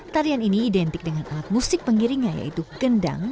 tarian ini identik dengan alat musik pengiringnya yaitu gendang